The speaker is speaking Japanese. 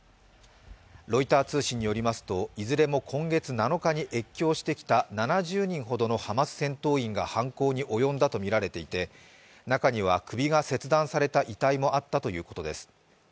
ロイター通信によりますと、いずれも今月７日に越境してきた７０人ほどのハマス戦闘員が犯行に及んだとみられていて、中には首が切断された遺体もあったということです。